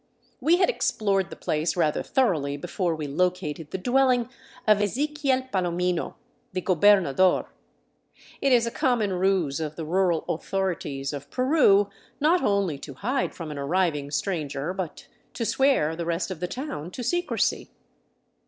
We had explored the place rather thoroughly before we located the dwelling of Ezequiel Palomino, the gobernador. It is a common ruse of the rural " author ities " of Peru not only to hide from an arriving stranger, but to swear the rest of the town to secrecy.